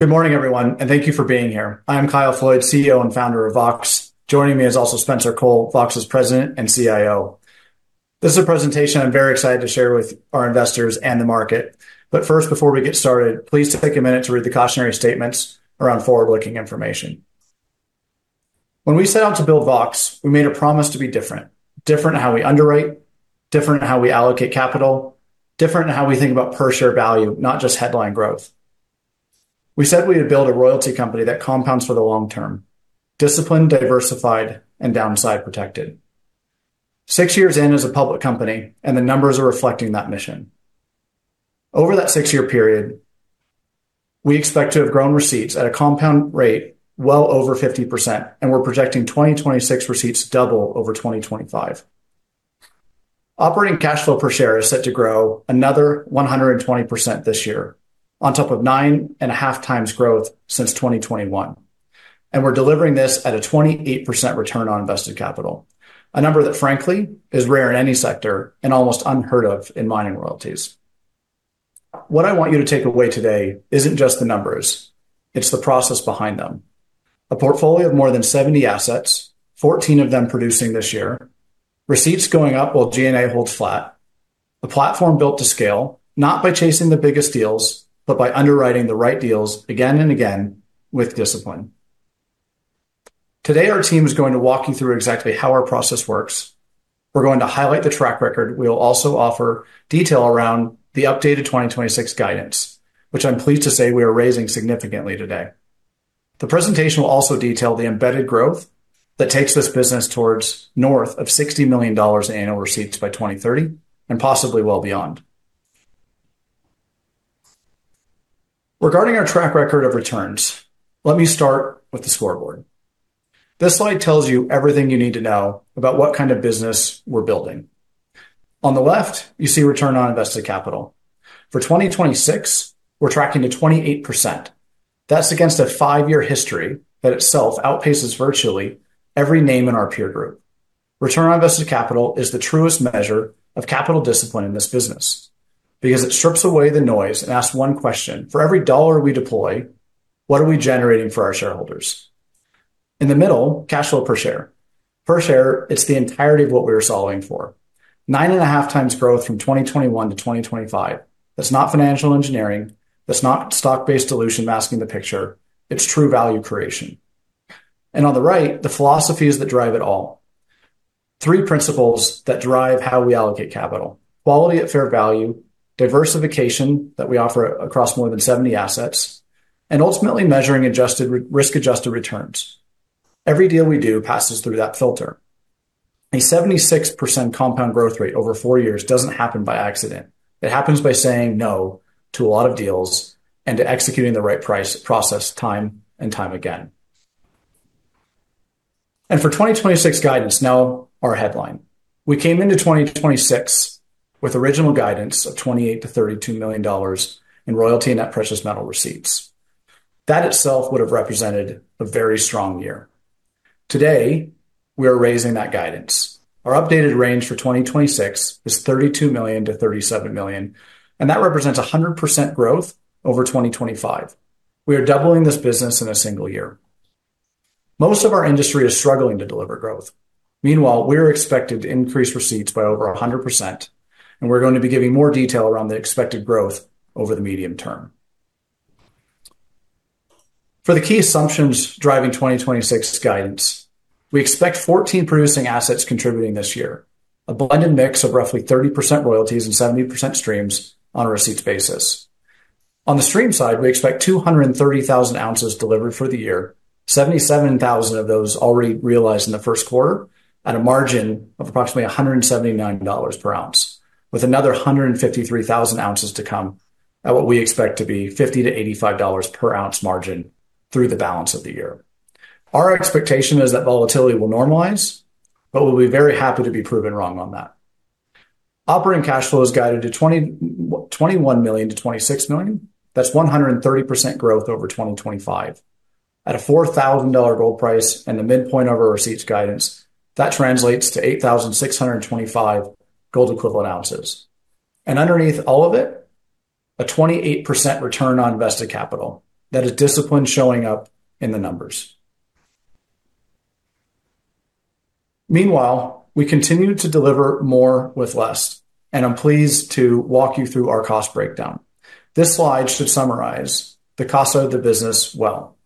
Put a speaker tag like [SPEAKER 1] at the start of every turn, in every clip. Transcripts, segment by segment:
[SPEAKER 1] Good morning, everyone, and thank you for being here. I'm Kyle Floyd, CEO and founder of Vox. Joining me is also Spencer Cole, Vox's President and CIO. This is a presentation I'm very excited to share with our investors and the market. First, before we get started, please take a minute to read the cautionary statements around forward-looking information. When we set out to build Vox, we made a promise to be different. Different in how we underwrite, different in how we allocate capital, different in how we think about per share value, not just headline growth. We said we would build a royalty company that compounds for the long term, disciplined, diversified, and downside protected. Six years in as a public company, the numbers are reflecting that mission. Over that six-year period, we expect to have grown receipts at a compound rate well over 50%, and we're projecting 2026 receipts double over 2025. Operating cash flow per share is set to grow another 120% this year, on top of 9.5x growth since 2021. We're delivering this at a 28% ROIC. A number that, frankly, is rare in any sector and almost unheard of in mining royalties. What I want you to take away today isn't just the numbers, it's the process behind them. A portfolio of more than 70 assets, 14 of them producing this year, receipts going up while G&A holds flat. A platform built to scale, not by chasing the biggest deals, but by underwriting the right deals again and again with discipline. Today, our team is going to walk you through exactly how our process works. We're going to highlight the track record. We'll also offer detail around the updated 2026 guidance, which I'm pleased to say we are raising significantly today. The presentation will also detail the embedded growth that takes this business towards north of $60 million annual receipts by 2030, and possibly well beyond. Regarding our track record of returns, let me start with the scoreboard. This slide tells you everything you need to know about what kind of business we're building. On the left, you see return on invested capital. For 2026, we're tracking to 28%. That's against a five-year history that itself outpaces virtually every name in our peer group. Return on invested capital is the truest measure of capital discipline in this business because it strips away the noise and asks one question: For every dollar we deploy, what are we generating for our shareholders? In the middle, cash flow per share. Per share, it's the entirety of what we are solving for. 9.5x growth from 2021 to 2025. That's not financial engineering. That's not stock-based dilution masking the picture. It's true value creation. On the right, the philosophies that drive it all. Three principles that drive how we allocate capital: quality at fair value, diversification that we offer across more than 70 assets, and ultimately measuring risk-adjusted returns. Every deal we do passes through that filter. A 76% compound growth rate over four years doesn't happen by accident. It happens by saying no to a lot of deals and to executing the right process time and time again. For 2026 guidance, now our headline. We came into 2026 with original guidance of $28 million-$32 million in royalty and net precious metal receipts. That itself would have represented a very strong year. Today, we are raising that guidance. Our updated range for 2026 is $32 million-$37 million, and that represents a 100% growth over 2025. We are doubling this business in a single year. Most of our industry is struggling to deliver growth. Meanwhile, we're expected to increase receipts by over a 100%, and we're going to be giving more detail around the expected growth over the medium term. For the key assumptions driving 2026 guidance, we expect 14 producing assets contributing this year, a blended mix of roughly 30% royalties and 70% streams on a receipts basis. On the stream side, we expect 230,000 ounces delivered for the year, 77,000 of those already realized in the first quarter at a margin of approximately $179 per ounce, with another 153,000 ounces to come at what we expect to be $50-$85 per ounce margin through the balance of the year. Our expectation is that volatility will normalize, but we'll be very happy to be proven wrong on that. Operating cash flow is guided to $21 million-$26 million. That's 130% growth over 2025. At a $4,000 gold price and the midpoint of our receipts guidance, that translates to 8,625 gold equivalent ounces. Underneath all of it, a 28% return on invested capital. That is discipline showing up in the numbers. Meanwhile, we continue to deliver more with less, and I'm pleased to walk you through our cost breakdown. This slide should summarize the cost of the business well.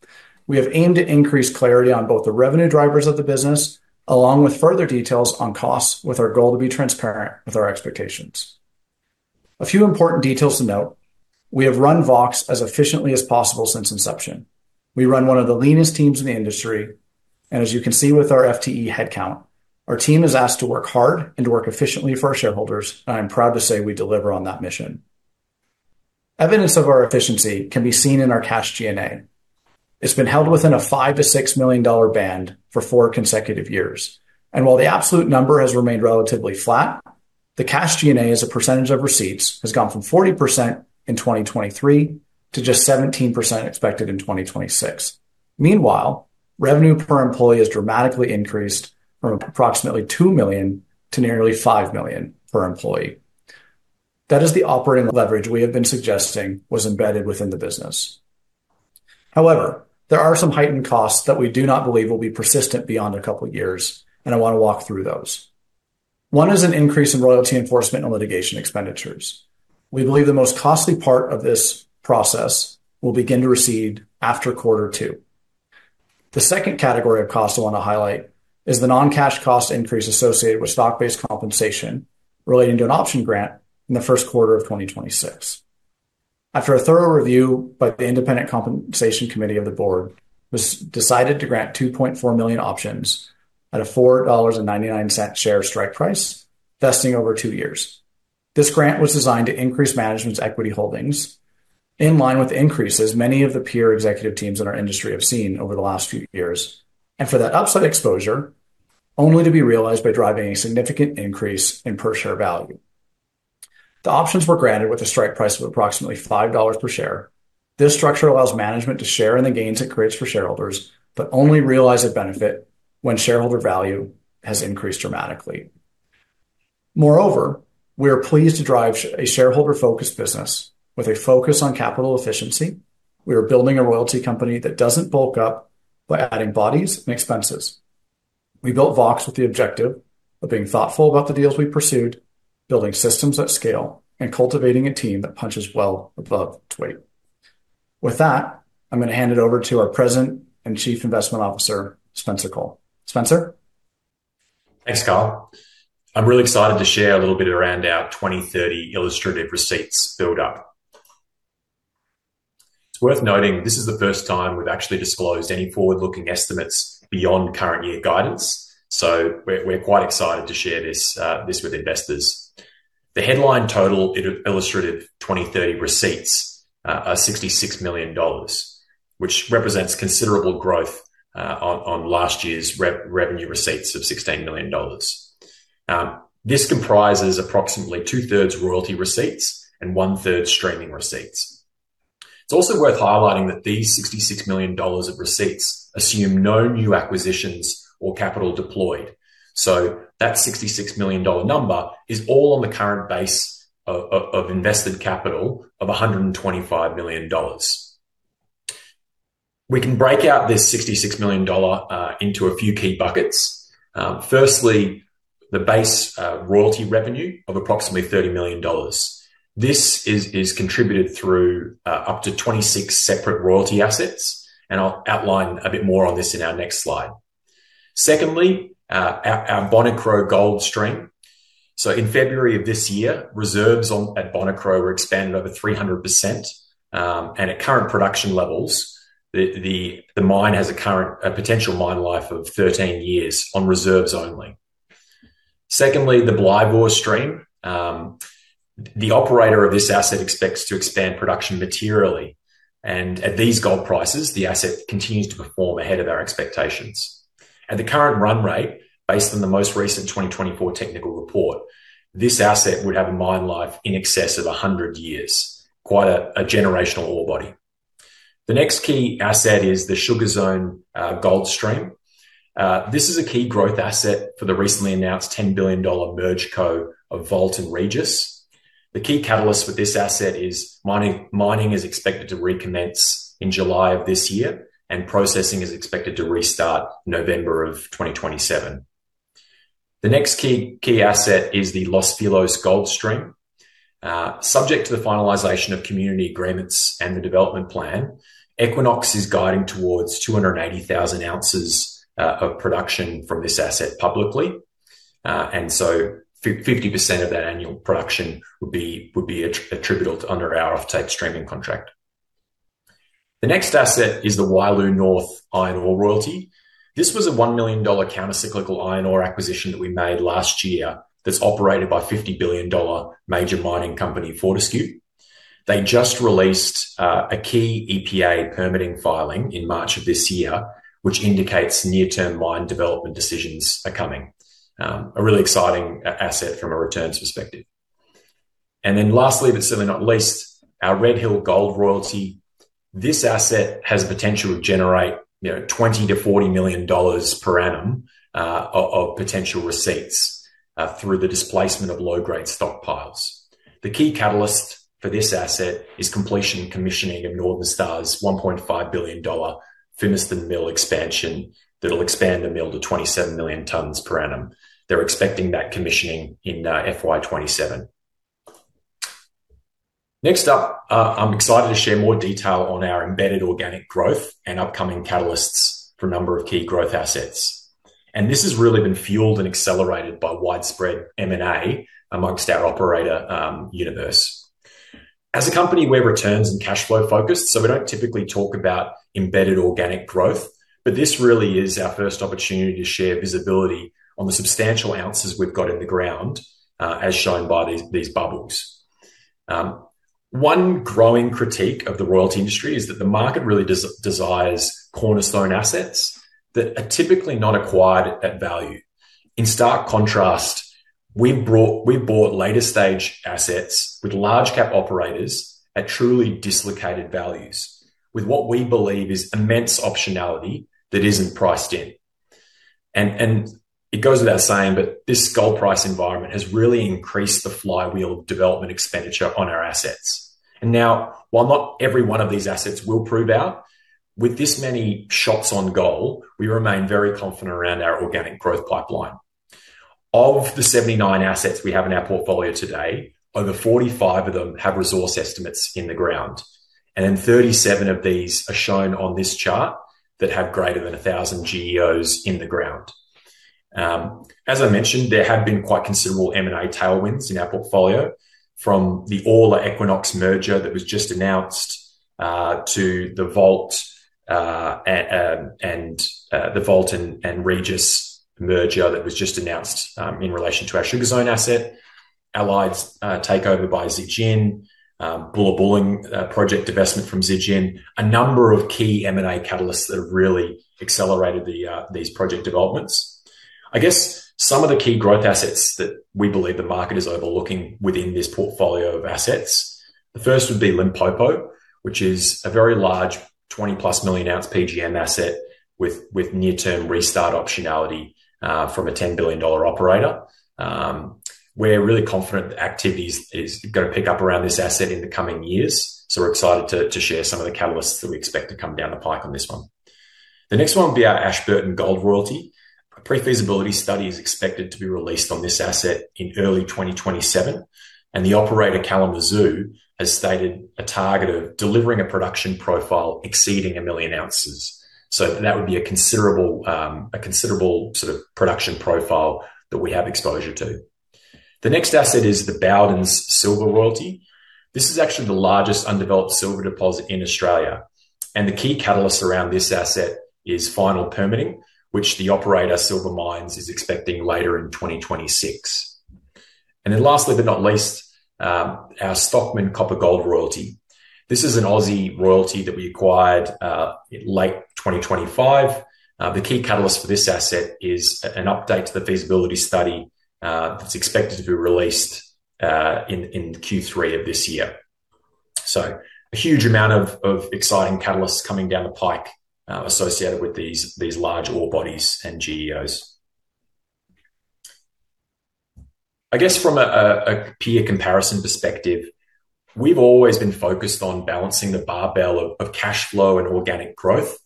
[SPEAKER 1] We have aimed to increase clarity on both the revenue drivers of the business, along with further details on costs, with our goal to be transparent with our expectations. A few important details to note. We have run Vox as efficiently as possible since inception. We run one of the leanest teams in the industry, and as you can see with our FTE headcount, our team is asked to work hard and to work efficiently for our shareholders. I am proud to say we deliver on that mission. Evidence of our efficiency can be seen in our cash G&A. It's been held within a $5 million-$6 million band for four consecutive years. While the absolute number has remained relatively flat, the cash G&A as a percentage of receipts has gone from 40% in 2023 to just 17% expected in 2026. Meanwhile, revenue per employee has dramatically increased from approximately $2 million to nearly $5 million per employee. That is the operating leverage we have been suggesting was embedded within the business. There are some heightened costs that we do not believe will be persistent beyond a couple of years, and I want to walk through those. One is an increase in royalty enforcement and litigation expenditures. We believe the most costly part of this process will begin to recede after quarter two. The second category of cost I want to highlight is the non-cash cost increase associated with stock-based compensation relating to an option grant in the first quarter of 2026. After a thorough review by the Independent Compensation Committee of the board, decided to grant 2.4 million options at a 4.99 dollars share strike price, vesting over two years. This grant was designed to increase management's equity holdings in line with increases many of the peer executive teams in our industry have seen over the last few years. For that upside exposure, only to be realized by driving a significant increase in per share value. The options were granted with a strike price of approximately 5 dollars per share. This structure allows management to share in the gains it creates for shareholders, but only realize a benefit when shareholder value has increased dramatically. Moreover, we are pleased to drive a shareholder-focused business with a focus on capital efficiency. We are building a royalty company that doesn't bulk up by adding bodies and expenses. We built Vox with the objective of being thoughtful about the deals we pursued, building systems at scale, and cultivating a team that punches well above its weight. With that, I'm going to hand it over to our President and Chief Investment Officer, Spencer Cole. Spencer?
[SPEAKER 2] Thanks, Kyle. I'm really excited to share a little bit around our 2030 illustrative receipts build-up. It's worth noting this is the first time we've actually disclosed any forward-looking estimates beyond current year guidance, we're quite excited to share this with investors. The headline total illustrative 2030 receipts are $66 million, which represents considerable growth on last year's revenue receipts of $16 million. This comprises approximately 2/3 royalty receipts and 1/3 streaming receipts. It's also worth highlighting that these $66 million of receipts assume no new acquisitions or capital deployed. That $66 million number is all on the current base of invested capital of $125 million. We can break out this $66 million into a few key buckets. Firstly, the base royalty revenue of approximately $30 million. This is contributed through, up to 26 separate royalty assets. I'll outline a bit more on this in our next slide. Secondly, our Bonikro gold stream. In February of this year, reserves at Bonikro were expanded over 300%. At a current production levels, the mine has a potential mine life of 13 years on reserves only. Secondly, the Blyvoor stream. The operator of this asset expects to expand production materially. At these gold prices, the asset continues to perform ahead of our expectations. At the current run rate, based on the most recent 2024 technical report, this asset would have a mine life in excess of 100 years. Quite a generational ore body. The next key asset is the Sugar Zone gold stream. This is a key growth asset for the recently announced 10 billion dollar merge co of Vault and Regis. The key catalyst for this asset is mining is expected to recommence in July of this year, and processing is expected to restart November of 2027. The next key asset is the Los Filos gold stream. Subject to the finalization of community agreements and the development plan, Equinox is guiding towards 280,000 ounces of production from this asset publicly. 50% of that annual production would be attributable under our off-take streaming contract. The next asset is the Wyloo North Iron Ore Royalty. This was a $1 million counter-cyclical iron ore acquisition that we made last year that's operated by $50 billion major mining company, Fortescue. They just released a key EPA permitting filing in March of this year, which indicates near-term mine development decisions are coming. A really exciting asset from a returns perspective. Lastly, but certainly not least, our Red Hill Gold Royalty. This asset has the potential to generate, you know, $20 million-$40 million per annum of potential receipts through the displacement of low-grade stockpiles. The key catalyst for this asset is completion and commissioning of Northern Star's 1.5 billion dollar Fimiston mill expansion that'll expand the mill to 27 million tons per annum. They're expecting that commissioning in FY 2027. Next up, I'm excited to share more detail on our embedded organic growth and upcoming catalysts for a number of key growth assets. This has really been fueled and accelerated by widespread M&A amongst our operator universe. As a company, we're returns and cash flow focused, so we don't typically talk about embedded organic growth, but this really is our first opportunity to share visibility on the substantial ounces we've got in the ground, as shown by these bubbles. One growing critique of the royalty industry is that the market really desires cornerstone assets that are typically not acquired at value. In stark contrast, we've bought later stage assets with large cap operators at truly dislocated values with what we believe is immense optionality that isn't priced in. It goes without saying, but this gold price environment has really increased the flywheel development expenditure on our assets. Now, while not every one of these assets will prove out, with this many shots on goal, we remain very confident around our organic growth pipeline. Of the 79 assets we have in our portfolio today, over 45 of them have resource estimates in the ground, 37 of these are shown on this chart that have greater than 1,000 GEOs in the ground. As I mentioned, there have been quite considerable M&A tailwinds in our portfolio from the Orla Equinox merger that was just announced, to the Vault and Regis merger that was just announced, in relation to our Sugar Zone asset, Allied Gold's takeover by Zijin, Bullabulling project divestment from Zijin. A number of key M&A catalysts that have really accelerated these project developments. I guess some of the key growth assets that we believe the market is overlooking within this portfolio of assets. The first would be Limpopo, which is a very large 20 million+ ounce PGM asset with near-term restart optionality, from a $10 billion operator. We're really confident that activities is gonna pick up around this asset in the coming years, so we're excited to share some of the catalysts that we expect to come down the pike on this one. The next one would be our Ashburton Gold Royalty. A pre-feasibility study is expected to be released on this asset in early 2027, and the operator, Kalamazoo, has stated a target of delivering a production profile exceeding 1 million ounces. That would be a considerable sort of production profile that we have exposure to. The next asset is the Bowdens Silver Royalty. This is actually the largest undeveloped silver deposit in Australia, and the key catalyst around this asset is final permitting, which the operator, Silver Mines, is expecting later in 2026. Lastly but not least, our Stockman Copper Gold Royalty. This is an Aussie royalty that we acquired in late 2025. The key catalyst for this asset is an update to the feasibility study that's expected to be released in Q3 of this year. A huge amount of exciting catalysts coming down the pike associated with these large ore bodies and GEOs. I guess from a peer comparison perspective, we've always been focused on balancing the barbell of cash flow and organic growth,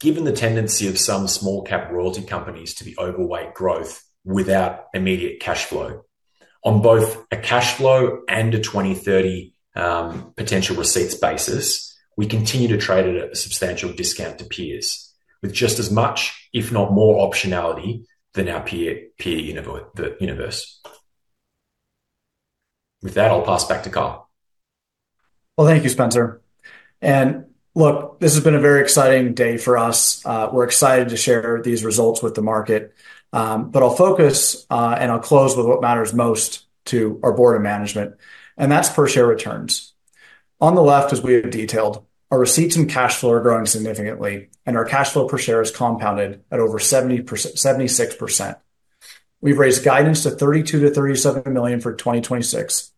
[SPEAKER 2] given the tendency of some small-cap royalty companies to be overweight growth without immediate cash flow. On both a cash flow and a 2030 potential receipts basis, we continue to trade at a substantial discount to peers with just as much, if not more optionality than our peer universe. With that, I'll pass back to Kyle.
[SPEAKER 1] Well, thank you, Spencer. Look, this has been a very exciting day for us. We're excited to share these results with the market. I'll focus and I'll close with what matters most to our board and management, and that's per-share returns. On the left, as we have detailed, our receipts and cash flow are growing significantly, and our cash flow per share is compounded at over 76%. We've raised guidance to $32 million-$37 million for 2026.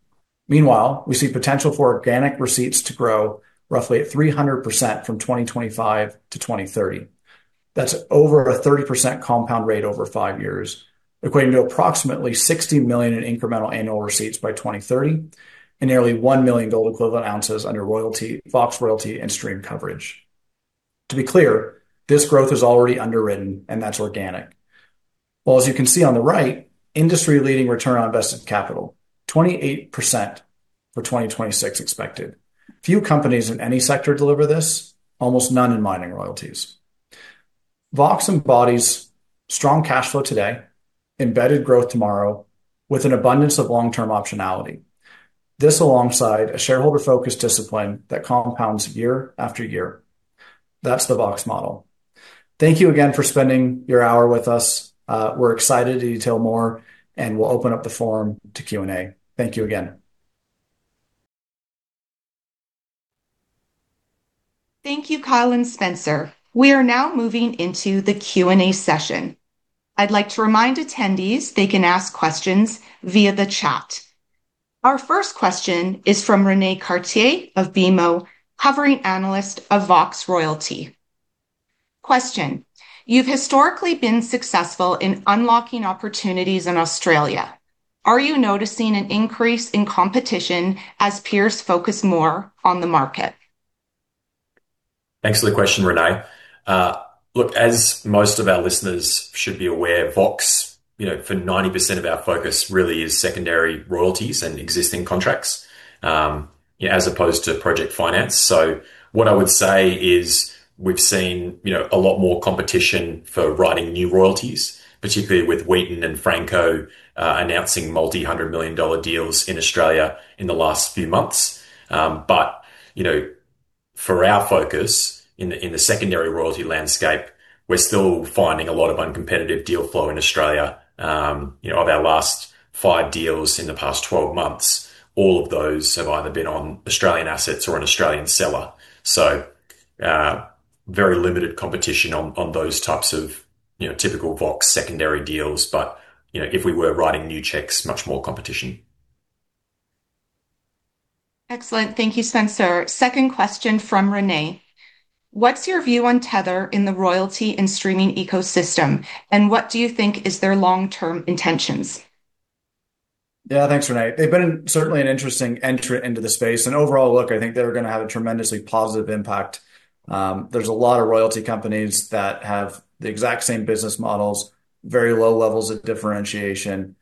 [SPEAKER 1] Meanwhile, we see potential for organic receipts to grow roughly at 300% from 2025 to 2030. That's over a 30% compound rate over five years, equating to approximately $60 million in incremental annual receipts by 2030 and nearly 1 million gold equivalent ounces under Vox Royalty and stream coverage. To be clear, this growth is already underwritten, and that's organic. Well, as you can see on the right, industry-leading return on invested capital, 28% for 2026 expected. Few companies in any sector deliver this, almost none in mining royalties. Vox embodies strong cash flow today, embedded growth tomorrow with an abundance of long-term optionality. This alongside a shareholder-focused discipline that compounds year after year. That's the Vox model. Thank you again for spending your hour with us. We're excited to detail more, and we'll open up the forum to Q&A. Thank you again.
[SPEAKER 3] Thank you, Kyle and Spencer. We are now moving into the Q&A session. I'd like to remind attendees they can ask questions via the chat. Our first question is from Rene Cartier of BMO, covering analyst of Vox Royalty. Question: You've historically been successful in unlocking opportunities in Australia. Are you noticing an increase in competition as peers focus more on the market?
[SPEAKER 2] Thanks for the question, Rene. Look, as most of our listeners should be aware, Vox, you know, for 90% of our focus really is secondary royalties and existing contracts, as opposed to project finance. What I would say is we've seen, you know, a lot more competition for writing new royalties, particularly with Wheaton and Franco, announcing multi-hundred million dollar deals in Australia in the last few months. You know, for our focus in the secondary royalty landscape, we're still finding a lot of uncompetitive deal flow in Australia. You know, of our last five deals in the past 12 months, all of those have either been on Australian assets or an Australian seller. Very limited competition on those types of, you know, typical Vox secondary deals. You know, if we were writing new checks, much more competition.
[SPEAKER 3] Excellent. Thank you, Spencer. Second question from Rene. What's your view on Tether in the royalty and streaming ecosystem, and what do you think is their long-term intentions?
[SPEAKER 1] Yeah, thanks, Rene. They've been certainly an interesting entrant into the space, and overall, look, I think they're gonna have a tremendously positive impact. There's a lot of royalty companies that have the exact same business models, very low levels of differentiation,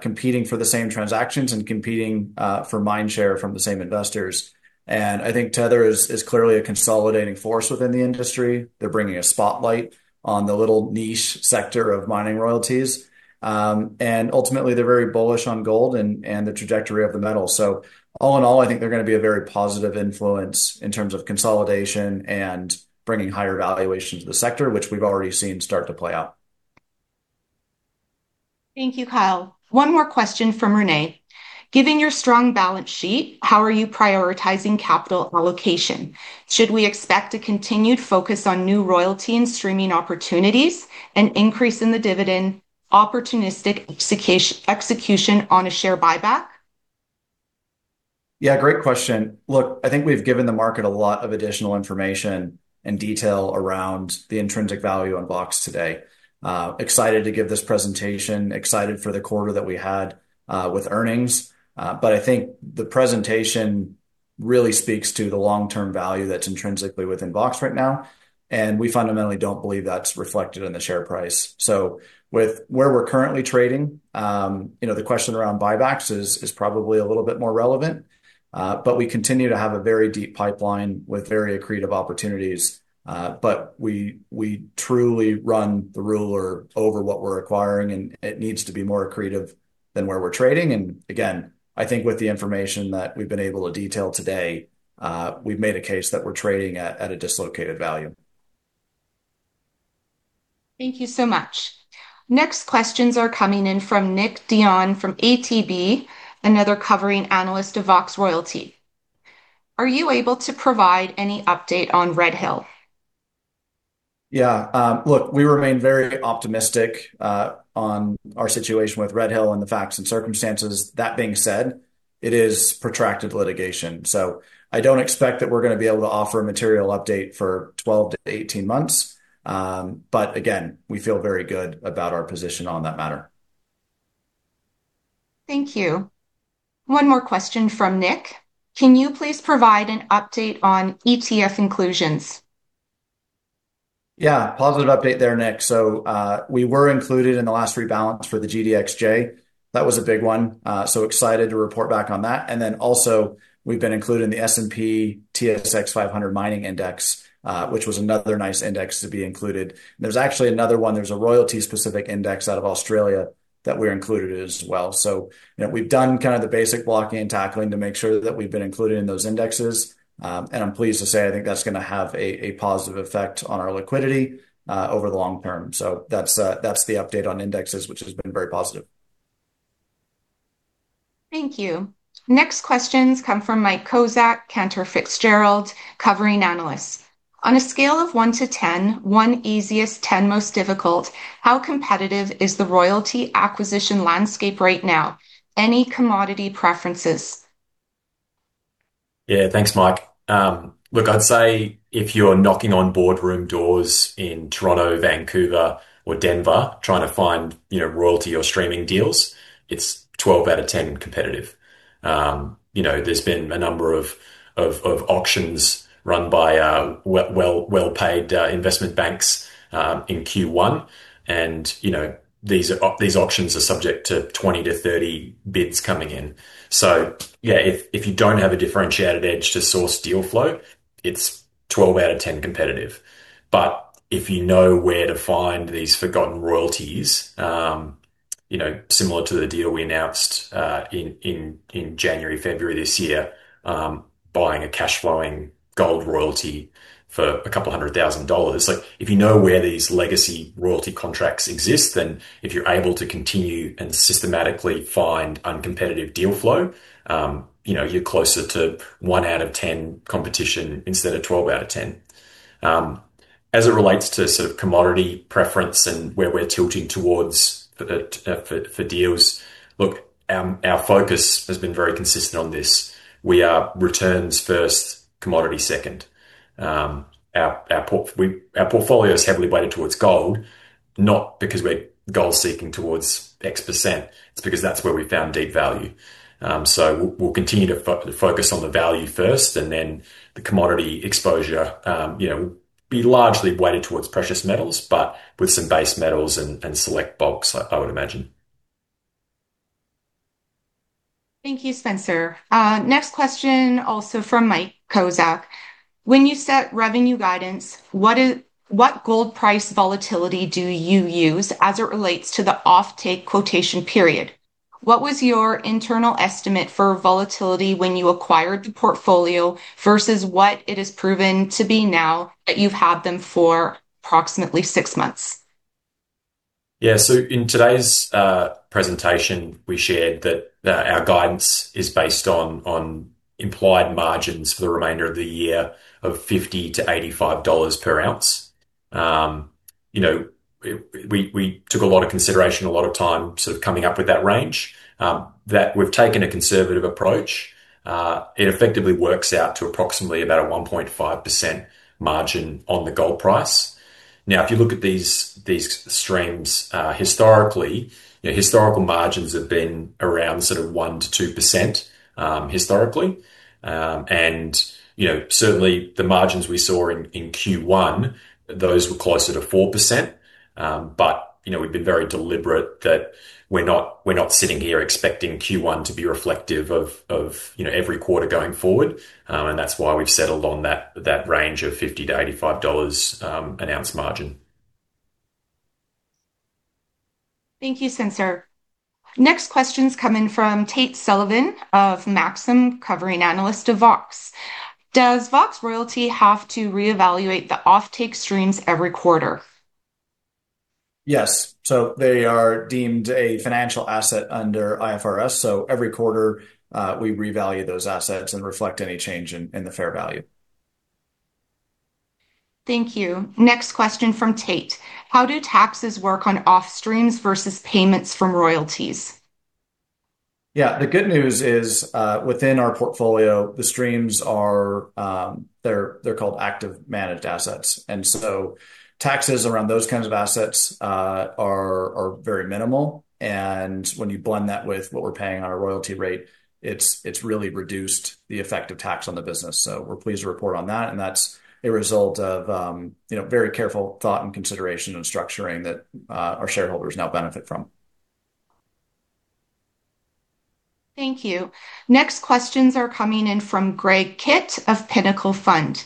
[SPEAKER 1] competing for the same transactions and competing for mind share from the same investors. I think Tether is clearly a consolidating force within the industry. They're bringing a spotlight on the little niche sector of mining royalties. Ultimately, they're very bullish on gold and the trajectory of the metal. All in all, I think they're gonna be a very positive influence in terms of consolidation and bringing higher valuation to the sector, which we've already seen start to play out.
[SPEAKER 3] Thank you, Kyle. One more question from Rene. Given your strong balance sheet, how are you prioritizing capital allocation? Should we expect a continued focus on new royalty and streaming opportunities, an increase in the dividend, opportunistic execution on a share buyback?
[SPEAKER 1] Yeah, great question. Look, I think we've given the market a lot of additional information and detail around the intrinsic value on Vox today. Excited to give this presentation, excited for the quarter that we had with earnings. I think the presentation really speaks to the long-term value that's intrinsically within Vox right now, and we fundamentally don't believe that's reflected in the share price. With where we're currently trading, you know, the question around buybacks is probably a little bit more relevant. We continue to have a very deep pipeline with very accretive opportunities. We truly run the ruler over what we're acquiring, and it needs to be more accretive than where we're trading. Again, I think with the information that we've been able to detail today, we've made a case that we're trading at a dislocated value.
[SPEAKER 3] Thank you so much. Next questions are coming in from Nick Dion from ATB, another covering analyst of Vox Royalty. Are you able to provide any update on Red Hill?
[SPEAKER 1] Look, we remain very optimistic on our situation with Red Hill and the facts and circumstances. That being said, it is protracted litigation. I don't expect that we're going to be able to offer a material update for 12-18 months. Again, we feel very good about our position on that matter.
[SPEAKER 3] Thank you. One more question from Nick. Can you please provide an update on ETF inclusions?
[SPEAKER 1] Yeah. Positive update there, Nick. We were included in the last rebalance for the GDXJ. That was a big one. Excited to report back on that. Also, we've been included in the S&P/TSX 500 Mining Index, which was another nice index to be included. There's actually another one. There's a royalty-specific index out of Australia that we're included as well. You know, we've done kind of the basic blocking and tackling to make sure that we've been included in those indexes. I'm pleased to say I think that's gonna have a positive effect on our liquidity over the long term. That's the update on indexes, which has been very positive.
[SPEAKER 3] Thank you. Next questions come from Mike Kozak, Cantor Fitzgerald, covering analyst. On a scale of 1-10, 1 easiest, 10 most difficult, how competitive is the royalty acquisition landscape right now? Any commodity preferences?
[SPEAKER 2] Yeah. Thanks, Mike. Look, I'd say if you're knocking on boardroom doors in Toronto, Vancouver, or Denver trying to find, you know, royalty or streaming deals, it's 12 out of 10 competitive. You know, there's been a number of auctions run by well-paid investment banks in Q1. You know, these are these auctions are subject to 20-30 bids coming in. Yeah, if you don't have a differentiated edge to source deal flow, it's 12 out of 10 competitive. If you know where to find these forgotten royalties, you know, similar to the deal we announced in January, February this year, buying a cash flowing gold royalty for a couple hundred thousand dollars. Like, if you know where these legacy royalty contracts exist, then if you're able to continue and systematically find uncompetitive deal flow, you know, you're closer to 1 out of 10 competition instead of 12 out of 10. As it relates to sort of commodity preference and where we're tilting towards for deals, look, our focus has been very consistent on this. We are returns first, commodity second. Our portfolio is heavily weighted towards gold, not because we're gold seeking towards x-percent. It's because that's where we found deep value. We'll continue to focus on the value first and then the commodity exposure, you know, will be largely weighted towards precious metals, but with some base metals and select bulks, I would imagine.
[SPEAKER 3] Thank you, Spencer. Next question also from Mike Kozak. When you set revenue guidance, what is what gold price volatility do you use as it relates to the offtake quotation period? What was your internal estimate for volatility when you acquired the portfolio versus what it has proven to be now that you've had them for approximately six months?
[SPEAKER 2] Yeah. In today's presentation, we shared that our guidance is based on implied margins for the remainder of the year of $50-$85 per ounce. You know, we took a lot of consideration, a lot of time sort of coming up with that range that we've taken a conservative approach. It effectively works out to approximately about a 1.5% margin on the gold price. If you look at these streams, historically, you know, historical margins have been around sort of 1%-2% historically. You know, certainly the margins we saw in Q1, those were closer to 4%. You know, we've been very deliberate that we're not sitting here expecting Q1 to be reflective of, you know, every quarter going forward. That's why we've settled on that range of $50-$85 an ounce margin.
[SPEAKER 3] Thank you, Spencer. Next question's coming from Tate Sullivan of Maxim, covering analyst of Vox. Does Vox Royalty have to reevaluate the offtake streams every quarter?
[SPEAKER 1] Yes. They are deemed a financial asset under IFRS. Every quarter, we revalue those assets and reflect any change in the fair value.
[SPEAKER 3] Thank you. Next question from Tate. How do taxes work on off streams versus payments from royalties?
[SPEAKER 1] The good news is, within our portfolio, the streams are called active managed assets. Taxes around those kinds of assets are very minimal and when you blend that with what we're paying on our royalty rate, it's really reduced the effect of tax on the business. We're pleased to report on that, and that's a result of, you know, very careful thought and consideration and structuring that our shareholders now benefit from.
[SPEAKER 3] Thank you. Next questions are coming in from Greg Kitt of Pinnacle Fund.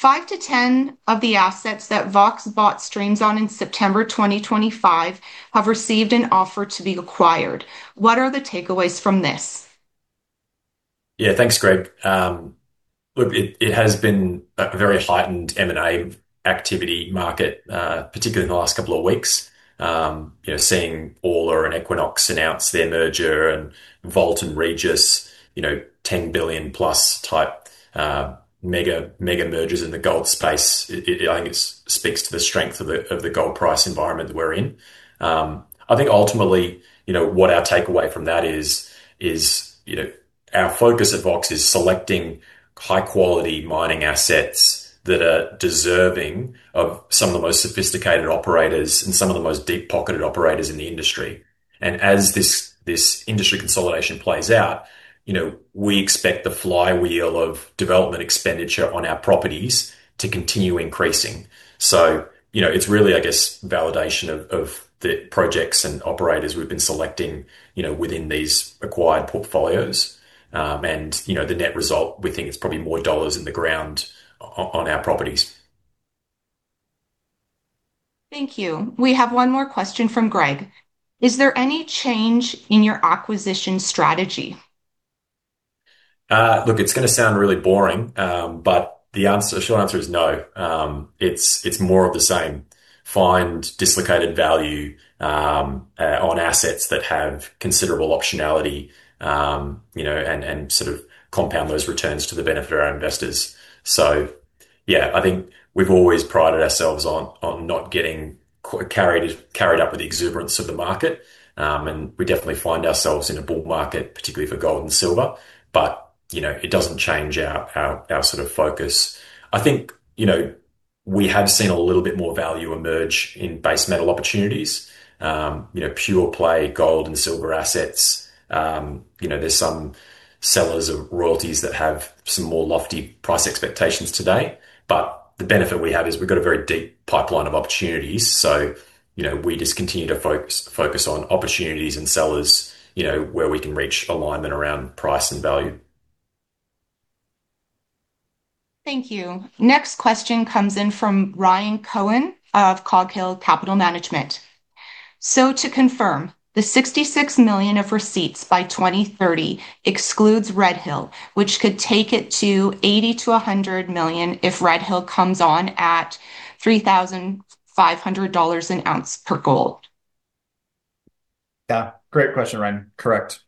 [SPEAKER 3] 5-10 of the assets that Vox bought streams on in September 2025 have received an offer to be acquired. What are the takeaways from this?
[SPEAKER 2] Yeah, thanks, Greg. Look, it has been a very heightened M&A activity market, particularly in the last couple of weeks. You know, seeing Orla and Equinox announce their merger and Vault and Regis, you know, 10 billion+ type mega mergers in the gold space, I think it speaks to the strength of the gold price environment we're in. I think ultimately, you know, what our takeaway from that is, you know, our focus at Vox is selecting high-quality mining assets that are deserving of some of the most sophisticated operators and some of the most deep-pocketed operators in the industry. As this industry consolidation plays out, you know, we expect the flywheel of development expenditure on our properties to continue increasing. You know, it's really, I guess, validation of the projects and operators we've been selecting, you know, within these acquired portfolios. The net result, we think it's probably more dollars in the ground on our properties.
[SPEAKER 3] Thank you. We have one more question from Greg. Is there any change in your acquisition strategy?
[SPEAKER 2] Look, it's gonna sound really boring, but the answer, short answer is no. It's more of the same. Find dislocated value on assets that have considerable optionality, you know, and sort of compound those returns to the benefit of our investors. Yeah, I think we've always prided ourselves on not getting carried up with the exuberance of the market. We definitely find ourselves in a bull market, particularly for gold and silver. You know, it doesn't change our sort of focus. I think, you know, we have seen a little bit more value emerge in base metal opportunities, you know, pure play gold and silver assets. You know, there's some sellers of royalties that have some more lofty price expectations today. The benefit we have is we've got a very deep pipeline of opportunities. You know, we just continue to focus on opportunities and sellers, you know, where we can reach alignment around price and value.
[SPEAKER 3] Thank you. Next question comes in from Ryan Cohen of Coghill Capital Management. To confirm, the $66 million of receipts by 2030 excludes Red Hill, which could take it to $80 million-$100 million if Red Hill comes on at $3,500 an ounce per gold?
[SPEAKER 1] Yeah. Great question, Ryan. Correct.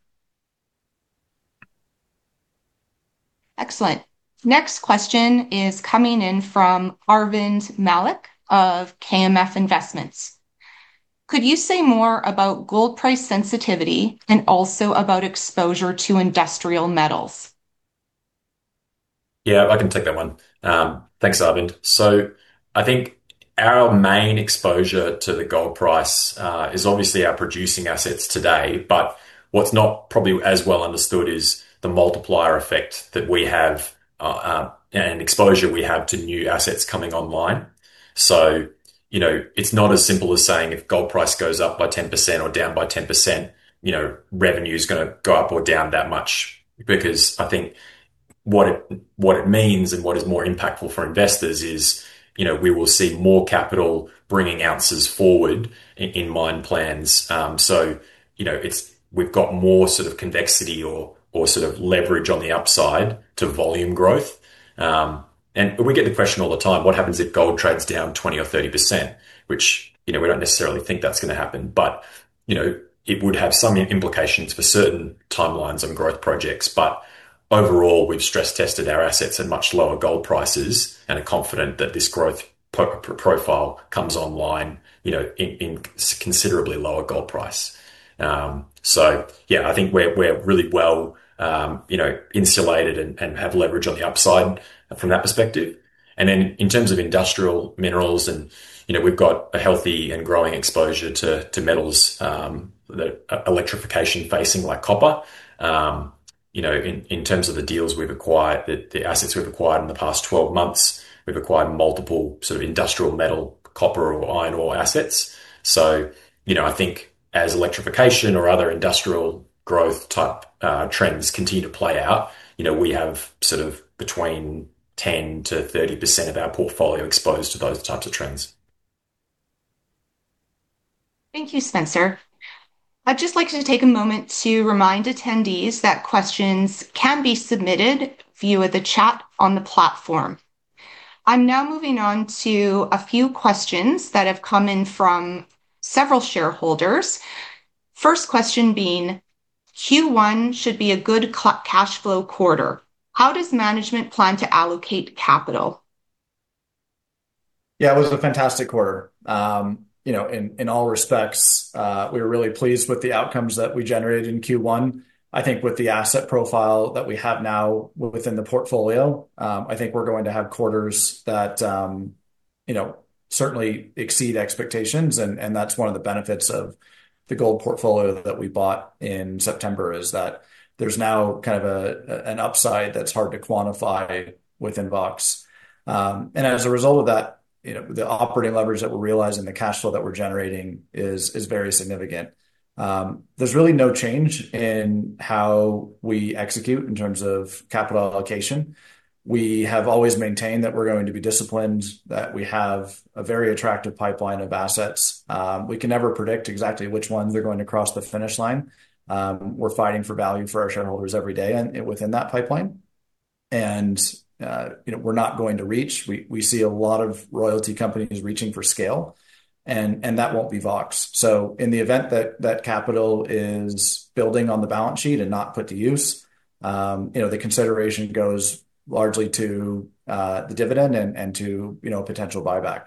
[SPEAKER 3] Excellent. Next question is coming in from Arvind Mallik of KMF Investments. Could you say more about gold price sensitivity and also about exposure to industrial metals?
[SPEAKER 2] Yeah, I can take that one. Thanks, Arvind. I think our main exposure to the gold price is obviously our producing assets today. What's not probably as well understood is the multiplier effect that we have and exposure we have to new assets coming online. You know, it's not as simple as saying if gold price goes up by 10% or down by 10%, you know, revenue's gonna go up or down that much. I think what it means and what is more impactful for investors is, you know, we will see more capital bringing ounces forward in mine plans. You know, it's we've got more sort of convexity or sort of leverage on the upside to volume growth. We get the question all the time, what happens if gold trades down 20% or 30%, which, you know, we don't necessarily think that's gonna happen, but, you know, it would have some implications for certain timelines and growth projects. Overall, we've stress-tested our assets at much lower gold prices and are confident that this growth profile comes online, you know, in considerably lower gold price. Yeah, I think we're really well, you know, insulated and have leverage on the upside from that perspective. In terms of industrial minerals and, you know, we've got a healthy and growing exposure to metals, that electrification facing, like copper. You know, in terms of the deals we've acquired, the assets we've acquired in the past 12 months, we've acquired multiple sort of industrial metal, copper, or iron ore assets. You know, I think as electrification or other industrial growth type, trends continue to play out, you know, we have sort of between 10%-30% of our portfolio exposed to those types of trends.
[SPEAKER 3] Thank you, Spencer. I'd just like to take a moment to remind attendees that questions can be submitted via the chat on the platform. I'm now moving on to a few questions that have come in from several shareholders. First question being, Q1 should be a good cashflow quarter. How does management plan to allocate capital?
[SPEAKER 1] Yeah, it was a fantastic quarter. you know, in all respects, we were really pleased with the outcomes that we generated in Q1. I think with the asset profile that we have now within the portfolio, I think we're going to have quarters that, you know, certainly exceed expectations. That's one of the benefits of the gold portfolio that we bought in September, is that there's now kind of an upside that's hard to quantify within Vox. As a result of that, you know, the operating leverage that we're realizing, the cashflow that we're generating is very significant. There's really no change in how we execute in terms of capital allocation. We have always maintained that we're going to be disciplined, that we have a very attractive pipeline of assets. We can never predict exactly which ones are going to cross the finish line. We're fighting for value for our shareholders every day and within that pipeline. You know, we're not going to reach. We see a lot of royalty companies reaching for scale and that won't be Vox. In the event that that capital is building on the balance sheet and not put to use, you know, the consideration goes largely to the dividend and to, you know, potential buyback.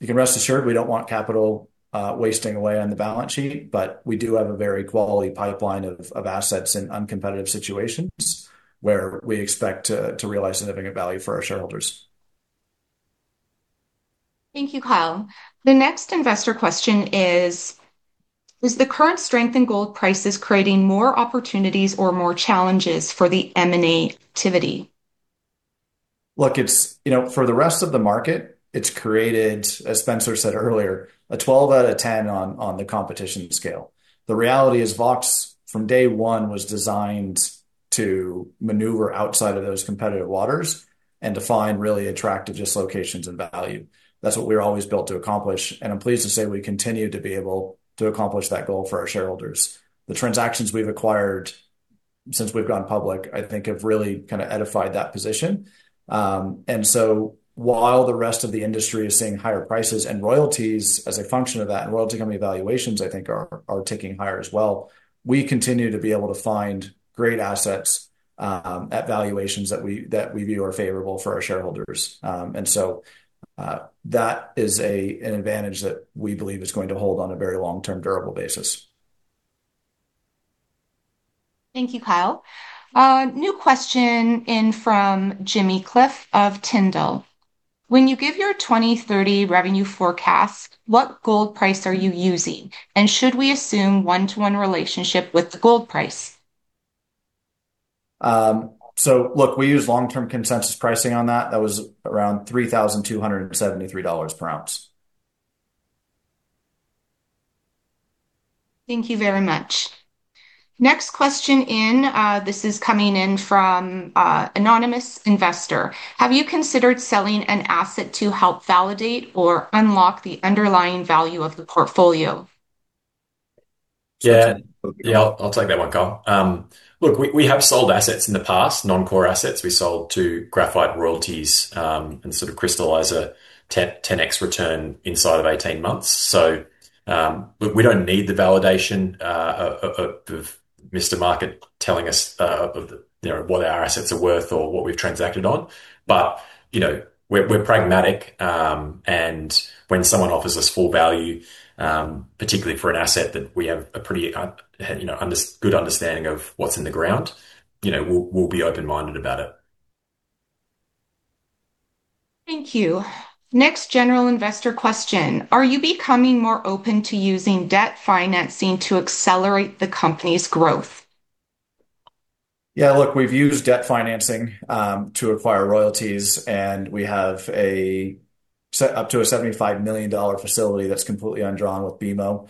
[SPEAKER 1] You can rest assured we don't want capital wasting away on the balance sheet, but we do have a very quality pipeline of assets in uncompetitive situations where we expect to realize significant value for our shareholders.
[SPEAKER 3] Thank you, Kyle. The next investor question: Is the current strength in gold prices creating more opportunities or more challenges for the M&A activity?
[SPEAKER 1] Look, it's, you know, for the rest of the market, it's created, as Spencer said earlier, a 12 out of 10 on the competition scale. The reality is Vox, from day one, was designed to maneuver outside of those competitive waters and to find really attractive dislocations in value. That's what we're always built to accomplish, and I'm pleased to say we continue to be able to accomplish that goal for our shareholders. The transactions we've acquired since we've gone public, I think, have really kind of edified that position. While the rest of the industry is seeing higher prices and royalties as a function of that, and royalty company valuations I think are ticking higher as well, we continue to be able to find great assets at valuations that we view are favorable for our shareholders. That is an advantage that we believe is going to hold on a very long-term durable basis.
[SPEAKER 3] Thank you, Kyle. New question in from Jimmy Cliff of Tyndall. When you give your 2030 revenue forecast, what gold price are you using? Should we assume one-to-one relationship with the gold price?
[SPEAKER 1] Look, we use long-term consensus pricing on that. That was around $3,273 per ounce.
[SPEAKER 3] Thank you very much. Next question in, this is coming in from anonymous investor. Have you considered selling an asset to help validate or unlock the underlying value of the portfolio?
[SPEAKER 2] Yeah. Yeah, I'll take that one, Kyle. Look, we have sold assets in the past, non-core assets we sold two graphite royalties, and sort of crystallize a 10x return inside of 18 months. Look, we don't need the validation of Mr. Market telling us, you know, what our assets are worth or what we've transacted on. You know, we're pragmatic, and when someone offers us full value, particularly for an asset that we have a pretty, you know, good understanding of what's in the ground, you know, we'll be open-minded about it.
[SPEAKER 3] Thank you. Next general investor question. Are you becoming more open to using debt financing to accelerate the company's growth?
[SPEAKER 1] Look, we've used debt financing to acquire royalties, and we have up to a $75 million facility that's completely undrawn with BMO.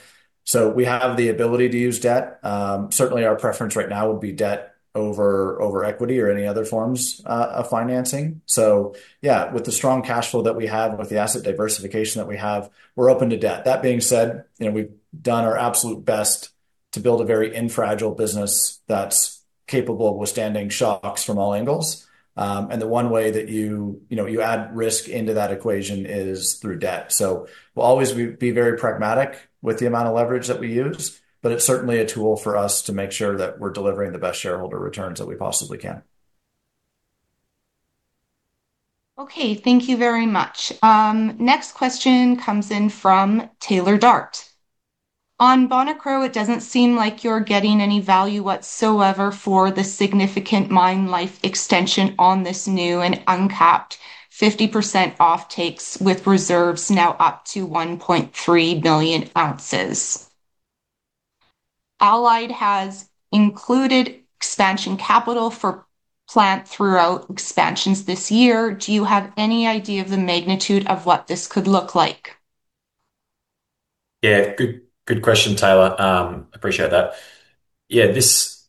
[SPEAKER 1] We have the ability to use debt. Certainly our preference right now would be debt over equity or any other forms of financing. With the strong cashflow that we have and with the asset diversification that we have, we're open to debt. That being said, you know, we've done our absolute best to build a very infragile business that's capable of withstanding shocks from all angles. The one way that, you know, you add risk into that equation is through debt. We'll always be very pragmatic with the amount of leverage that we use, but it's certainly a tool for us to make sure that we're delivering the best shareholder returns that we possibly can.
[SPEAKER 3] Thank you very much. Next question comes in from Taylor Dart. On Bonikro, it doesn't seem like you're getting any value whatsoever for the significant mine life extension on this new and uncapped 50% off takes with reserves now up to 1.3 million ounces. Allied has included expansion capital for plant throughout expansions this year. Do you have any idea of the magnitude of what this could look like?
[SPEAKER 2] Good question, Taylor. Appreciate that. This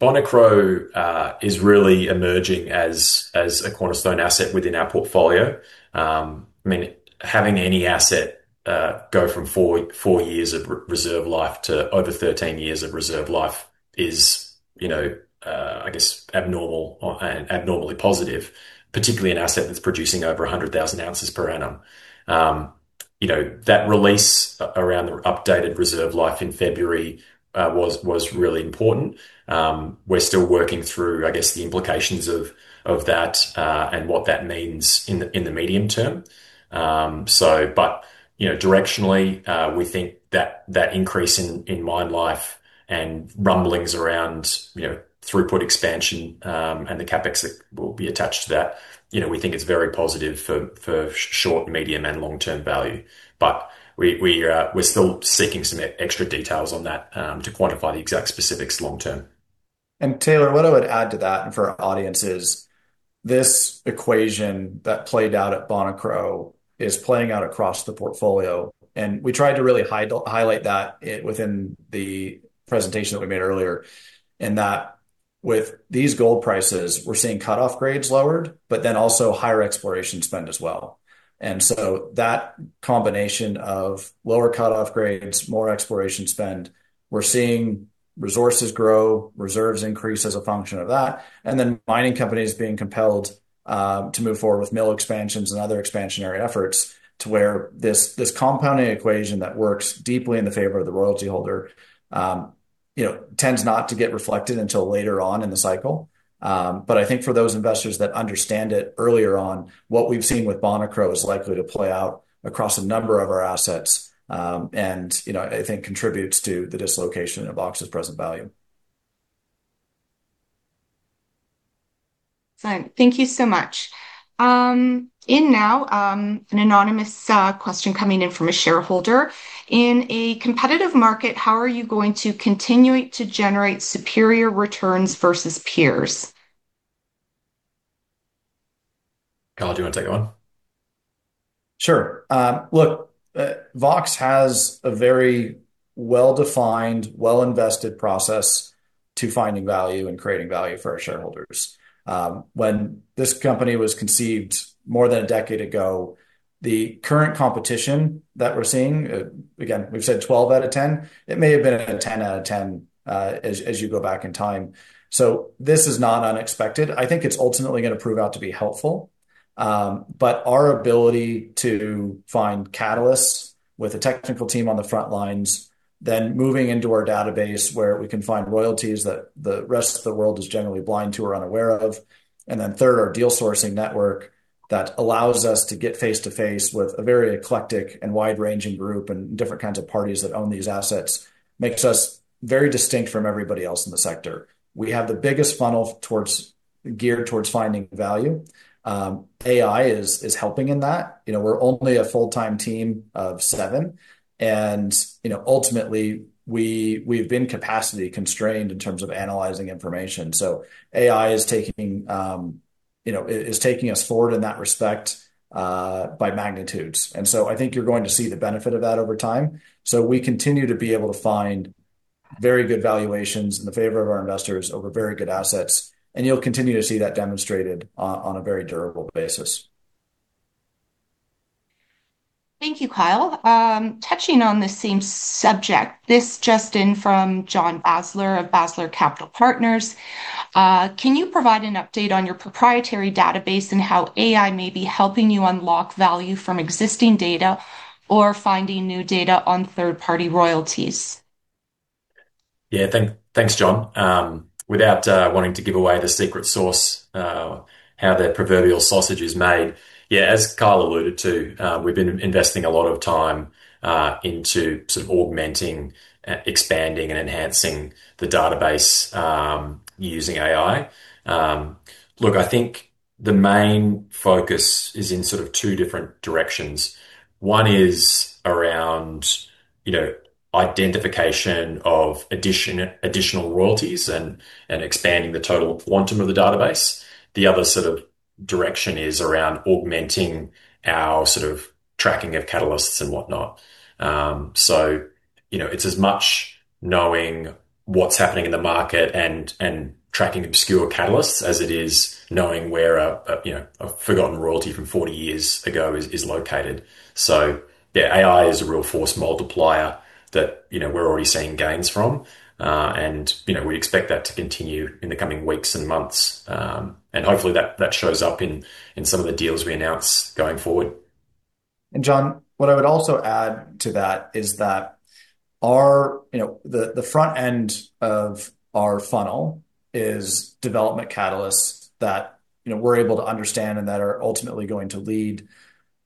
[SPEAKER 2] Bonikro is really emerging as a cornerstone asset within our portfolio. I mean, having any asset go from four years of reserve life to over 13 years of reserve life is, you know, I guess abnormal or abnormally positive, particularly an asset that's producing over 100,000 ounces per annum. You know, that release around the updated reserve life in February was really important. We're still working through, I guess, the implications of that, and what that means in the medium term. You know, directionally, we think that that increase in mine life and rumblings around, you know, throughput expansion, and the CapEx that will be attached to that, you know, we think it's very positive for short, medium, and long-term value. We're still seeking some extra details on that to quantify the exact specifics long term.
[SPEAKER 1] Taylor Dart, what I would add to that and for our audience is this equation that played out at Bonikro is playing out across the portfolio, we tried to really highlight that within the presentation that we made earlier. In that with these gold prices, we're seeing cutoff grades lowered, also higher exploration spend as well. That combination of lower cutoff grades, more exploration spend, we're seeing resources grow, reserves increase as a function of that, and then mining companies being compelled to move forward with mill expansions and other expansionary efforts to where this compounding equation that works deeply in the favor of the royalty holder, you know, tends not to get reflected until later on in the cycle. I think for those investors that understand it earlier on, what we've seen with Bonikro is likely to play out across a number of our assets. You know, I think contributes to the dislocation of Vox's present value.
[SPEAKER 3] Fine. Thank you so much. In now, an anonymous question coming in from a shareholder. In a competitive market, how are you going to continue to generate superior returns versus peers?
[SPEAKER 2] Kyle, do you wanna take that one?
[SPEAKER 1] Sure. Look, Vox has a very well-defined, well-invested process to finding value and creating value for our shareholders. When this company was conceived more than a decade ago, the current competition that we're seeing, again, we've said 12 out of 10, it may have been a 10 out of 10, as you go back in time. This is not unexpected. I think it's ultimately gonna prove out to be helpful. Our ability to find catalysts with a technical team on the front lines, then moving into our database where we can find royalties that the rest of the world is generally blind to or unaware of. Third, our deal sourcing network that allows us to get face-to-face with a very eclectic and wide-ranging group and different kinds of parties that own these assets, makes us very distinct from everybody else in the sector. We have the biggest funnel geared towards finding value. AI is helping in that. You know, we're only a full-time team of seven and, you know, ultimately we've been capacity constrained in terms of analyzing information. AI is taking, you know, is taking us forward in that respect by magnitudes. I think you're going to see the benefit of that over time. We continue to be able to find very good valuations in the favor of our investors over very good assets, and you'll continue to see that demonstrated on a very durable basis.
[SPEAKER 3] Thank you, Kyle. Touching on the same subject. This just in from John Basler of Basler Capital Partners. Can you provide an update on your proprietary database and how AI may be helping you unlock value from existing data or finding new data on third-party royalties?
[SPEAKER 2] Thanks, John. Without wanting to give away the secret sauce, how their proverbial sausage is made, as Kyle alluded to, we've been investing a lot of time into sort of augmenting, expanding and enhancing the database, using AI. Look, I think the main focus is in sort of two different directions. One is around, you know, identification of additional royalties and expanding the total quantum of the database. The other sort of direction is around augmenting our sort of tracking of catalysts and whatnot. You know, it's as much knowing what's happening in the market and tracking obscure catalysts as it is knowing where a, you know, a forgotten royalty from 40 years ago is located. AI is a real force multiplier that, you know, we're already seeing gains from. You know, we expect that to continue in the coming weeks and months. Hopefully that shows up in some of the deals we announce going forward.
[SPEAKER 1] John, what I would also add to that is that our, you know, the front-end of our funnel is development catalysts that, you know, we're able to understand and that are ultimately going to lead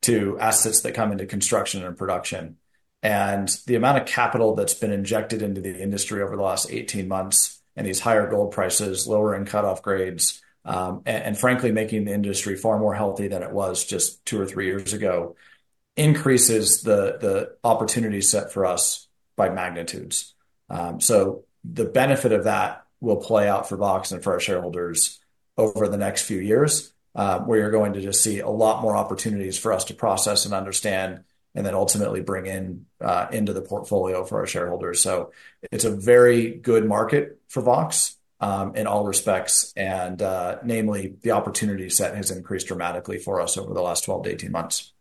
[SPEAKER 1] to assets that come into construction and production. The amount of capital that's been injected into the industry over the last 18 months and these higher gold prices, lower-end cutoff grades, and frankly making the industry far more healthy than it was just two or three years ago, increases the opportunity set for us by magnitudes. The benefit of that will play out for Vox and for our shareholders over the next few years, where you're going to just see a lot more opportunities for us to process and understand, and then ultimately bring in into the portfolio for our shareholders. It's a very good market for Vox, in all respects, and, namely the opportunity set has increased dramatically for us over the last 12-18 months.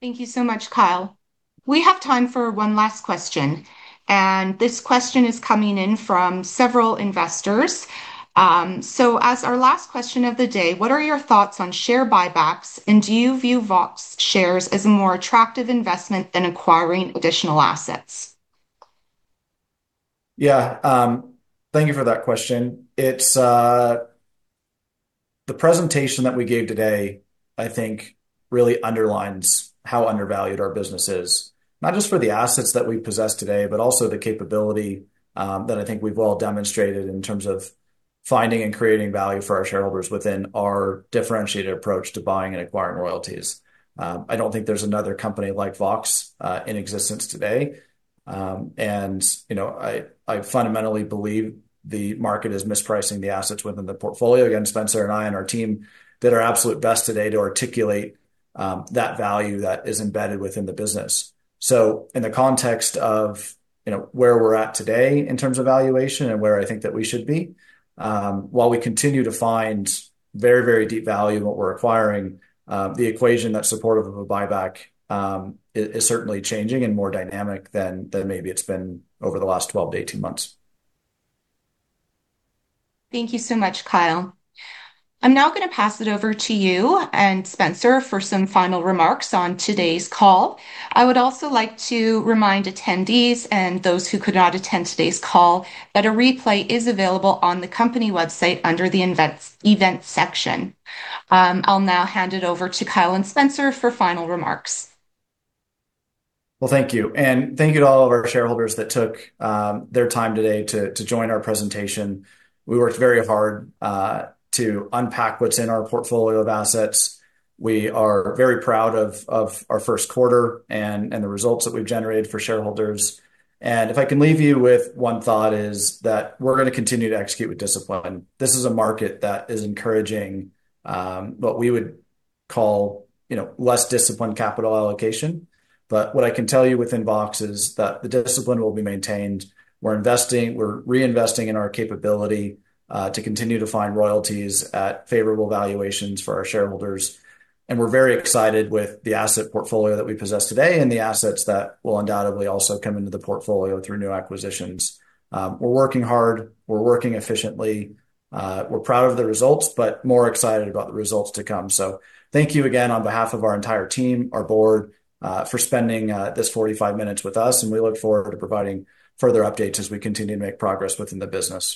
[SPEAKER 3] Thank you so much, Kyle. We have time for one last question, and this question is coming in from several investors. As our last question of the day, what are your thoughts on share buybacks, and do you view Vox shares as a more attractive investment than acquiring additional assets?
[SPEAKER 1] Yeah. Thank you for that question. It's, the presentation that we gave today, I think really underlines how undervalued our business is. Not just for the assets that we possess today, but also the capability that I think we've well demonstrated in terms of finding and creating value for our shareholders within our differentiated approach to buying and acquiring royalties. I don't think there's another company like Vox in existence today. You know, I fundamentally believe the market is mispricing the assets within the portfolio. Again, Spencer and I and our team did our absolute best today to articulate that value that is embedded within the business. In the context of, you know, where we're at today in terms of valuation and where I think that we should be, while we continue to find very, very deep value in what we're acquiring, the equation that's supportive of a buyback is certainly changing and more dynamic than maybe it's been over the last 12-18 months.
[SPEAKER 3] Thank you so much, Kyle. I'm now going to pass it over to you and Spencer for some final remarks on today's call. I would also like to remind attendees and those who could not attend today's call that a replay is available on the company website under the events section. I'll now hand it over to Kyle and Spencer for final remarks.
[SPEAKER 1] Well, thank you. Thank you to all of our shareholders that took their time today to join our presentation. We worked very hard to unpack what's in our portfolio of assets. We are very proud of our first quarter and the results that we've generated for shareholders. If I can leave you with one thought, is that we're gonna continue to execute with discipline. This is a market that is encouraging, what we would call, you know, less disciplined capital allocation. What I can tell you within Vox is that the discipline will be maintained. We're reinvesting in our capability to continue to find royalties at favorable valuations for our shareholders, and we're very excited with the asset portfolio that we possess today and the assets that will undoubtedly also come into the portfolio through new acquisitions. We're working hard, we're working efficiently. We're proud of the results, but more excited about the results to come. Thank you again on behalf of our entire team, our board, for spending this 45 minutes with us, and we look forward to providing further updates as we continue to make progress within the business.